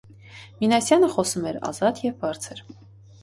Մինասյանը խոսում էր ազատ և բարձր.